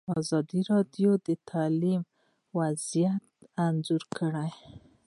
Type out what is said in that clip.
ازادي راډیو د تعلیم وضعیت انځور کړی.